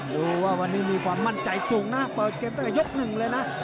ดูว่าวันนี้มีความมั่นใจสูงนะเปิดเกมตั้งแต่ยกหนึ่งเลยนะ